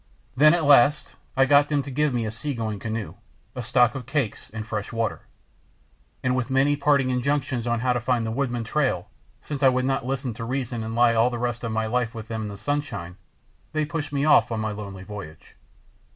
Then at last I got them to give me a sea going canoe, a stock of cakes and fresh water; and with many parting injunctions how to find the Woodman trail, since I would not listen to reason and lie all the rest of my life with them in the sunshine, they pushed me off on my lonely voyage.